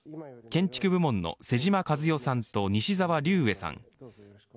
建築部門の妹島和世さんと西沢立衛さん